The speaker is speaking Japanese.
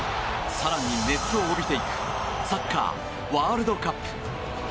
更に熱を帯びていくサッカーワールドカップ。